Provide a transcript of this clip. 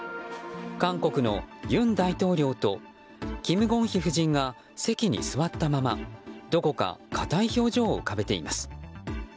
韓国の尹大統領とキム・ゴンヒ夫人が席に座ったままどこか硬い表情を浮かべています。